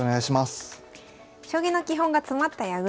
将棋の基本が詰まった矢倉。